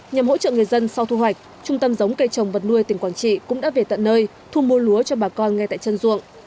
nhằm hỗ trợ người dân sau thu hoạch trung tâm giống cây trồng vật nuôi tỉnh quảng trị cũng đã về tận nơi thu mua lúa cho bà con ngay tại chân ruộng